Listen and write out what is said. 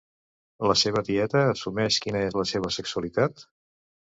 La seva tieta assumeix quina és la seva sexualitat?